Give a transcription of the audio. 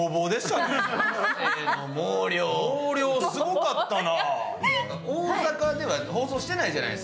毛量すごかったな。